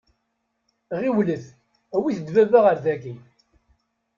Ɣiwlet, awit-d baba ɣer dagi.